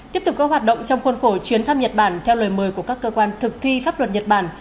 tiếp tục các hoạt động trong khuôn khổ chuyến thăm nhật bản theo lời mời của các cơ quan thực thi pháp luật nhật bản